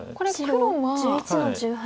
白１１の十八。